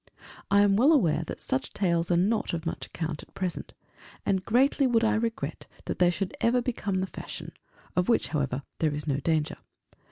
_ I am well aware that such tales are not of much account, at present; and greatly would I regret that they should ever become the fashion; of which, however, there is no danger.